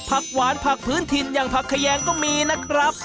ผักหวานผักพื้นถิ่นอย่างผักแขยงก็มีนะครับ